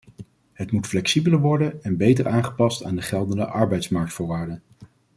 Het moet flexibeler worden en beter aangepast aan de geldende arbeidsmarktvoorwaarden.